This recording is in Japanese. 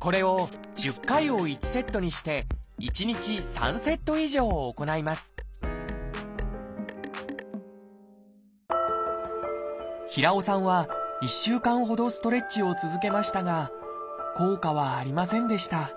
これを１０回を１セットにして１日３セット以上行います平尾さんは１週間ほどストレッチを続けましたが効果はありませんでした